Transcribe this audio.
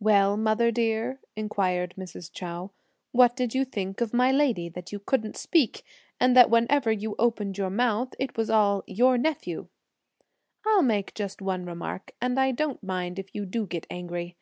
"Well, mother dear," inquired Mrs. Chou, "what did you think of my lady that you couldn't speak; and that whenever you opened your mouth it was all 'your nephew.' I'll make just one remark, and I don't mind if you do get angry.